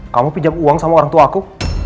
kamu pinjam uang sama orangtuaku